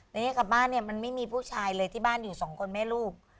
ในนี้กลับบ้านเนี่ยมันไม่มีผู้ชายเลยที่บ้านอยู่สองคนแม่ลูก